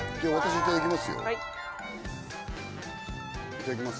いただきます。